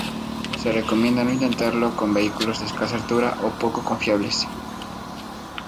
Se recomienda no intentarlo con vehículos de escasa altura o poco confiables.